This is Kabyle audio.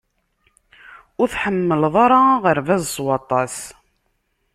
Ur tḥemmleḍ ara aɣerbaz s waṭas.